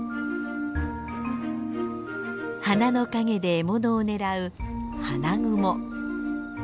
花の陰で獲物を狙うハナグモ。